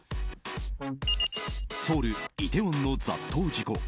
ソウル・イテウォンの雑踏事故。